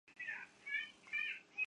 它们有时会成群的迁徙。